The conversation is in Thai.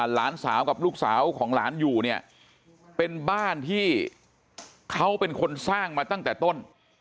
หลานสาวกับลูกสาวของหลานอยู่เนี่ยเป็นบ้านที่เขาเป็นคนสร้างมาตั้งแต่ต้น